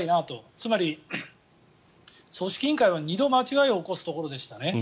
つまり組織委員会は２度間違いを起こすところでしたね。